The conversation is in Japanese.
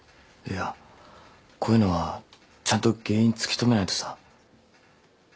いやこういうのはちゃんと原因突き止めないとさ。